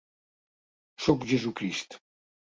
Sóc Jesucrist.